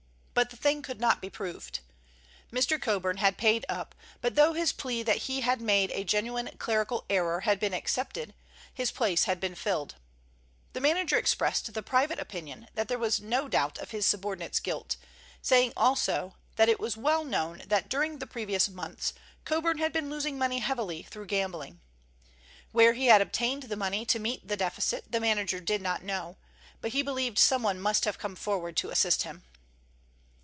But the thing could not be proved. Mr. Coburn had paid up, but though his plea that he had made a genuine clerical error had been accepted, his place had been filled. The manager expressed the private opinion that there was no doubt of his subordinate's guilt, saying also that it was well known that during the previous months Coburn had been losing money heavily through gambling. Where he had obtained the money to meet the deficit the manager did not know, but he believed someone must have come forward to assist him.